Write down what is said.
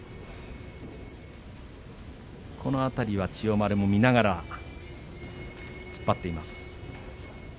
この辺りは、千代丸も見ながら突っ張っています。